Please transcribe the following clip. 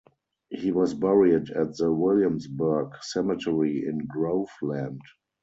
He was buried at the Williamsburg Cemetery in Groveland.